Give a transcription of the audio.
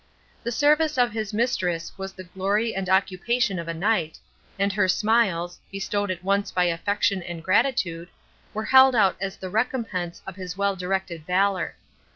The service of his mistress was the glory and occupation of a knight, and her smiles, bestowed at once by affection and gratitude, were held out as the recompense of his well directed valor.